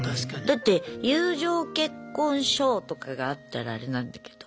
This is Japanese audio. だって友情結婚証とかがあったらアレなんだけど。